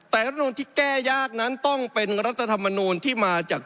แต่รัฐมนูลที่แก้ยากนั้นต้องเป็นรัฐธรรมนูลที่มาจาก